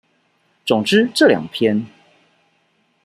總之這兩篇